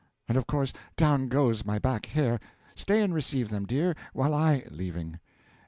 And of course down goes my back hair! Stay and receive them, dear, while I (Leaving.)